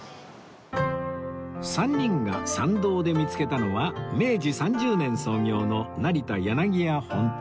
３人が参道で見つけたのは明治３０年創業の成田柳屋本店